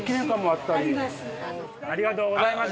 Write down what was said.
ありがとうございます。